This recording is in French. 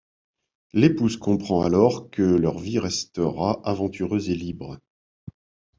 L'épouse comprend alors que leur vie restera aventureuse et libre.